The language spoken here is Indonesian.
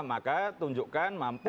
maka tunjukkan mampu